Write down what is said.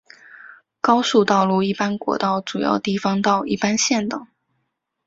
高速道路一般国道主要地方道一般县道